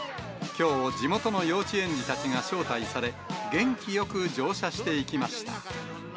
きょう、地元の幼稚園児たちが招待され、元気よく乗車していきました。